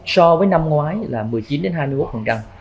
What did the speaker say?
so với năm ngoái là một mươi chín hai mươi một